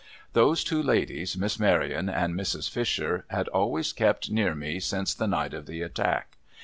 Those two ladies. Miss Maryon and Mrs. Fisher, had always kept near me since the night of the attack.